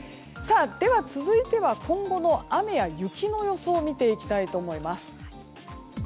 続いては今後の雨や雪の予想を見ていきたいと思います。